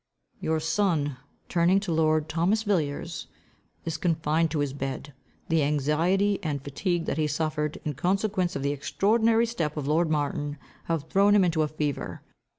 "Your son," turning to lord Thomas Villiers, "is confined to his bed. The anxiety and fatigue that he suffered, in consequence of the extraordinary step of lord Martin, have thrown him into a fever.